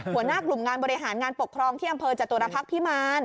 หัวหน้ากลุ่มงานบริหารงานปกครองที่อำเภอจตุรพักษ์พิมาร